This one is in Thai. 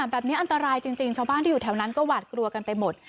แบบนี้อันตรายจริงชาวบ้านที่อยู่แถวนั้นก็หวาดกลัวกันไปหมด